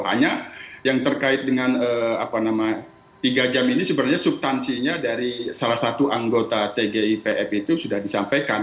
hanya yang terkait dengan tiga jam ini sebenarnya subtansinya dari salah satu anggota tgipf itu sudah disampaikan